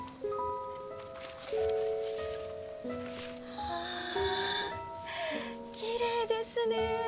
はあきれいですね。